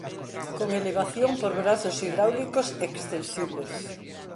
Con elevación por brazos hidráulicos extensibles.